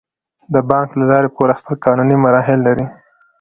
د بانک له لارې پور اخیستل قانوني مراحل لري.